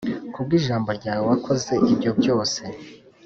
Ku bw ijambo ryawe wakoze ibyo byose